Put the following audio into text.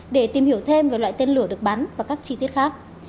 để tìm hiểu thêm về loại tên lửa được bắn và các chi tiết khác